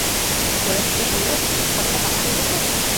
গোরা জিজ্ঞাসা করিল, কথাটা পাকা হয়ে গেছে?